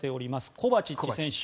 コバチッチ選手。